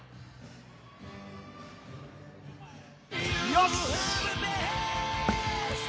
よし！